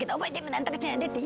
何とかちゃんやでって。